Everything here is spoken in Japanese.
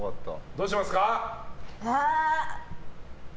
どうしますか？